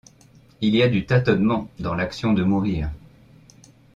Il y a du tâtonnement dans l’action de mourir.